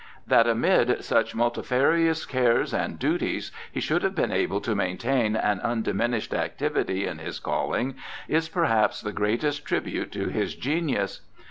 That amid such multifarious cares and duties he should have been able to maintain an undiminished activity in his calling is perhaps the greatest tribute to his genius.